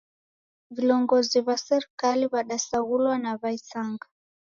Vilongozi wa sirikali w'adasaghulwa na w'aisanga